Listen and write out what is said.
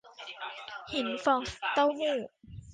หินฟองเต้าหู้